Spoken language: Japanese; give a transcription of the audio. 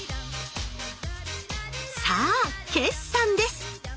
さあ決算です！